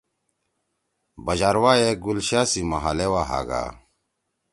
بش آرواح ئے گُلشاہ سی محلے وا ہاگا